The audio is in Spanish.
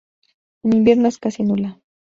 En invierno es casi nula.